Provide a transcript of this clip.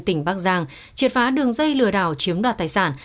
tỉnh bắc giang triệt phá đường dây lừa đảo chiếm đoạt tài sản